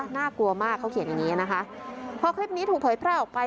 น่ากลัวมากเขาเขียนอย่างนี้นะคะพอคลิปนี้ถูกเผยแพร่ออกไป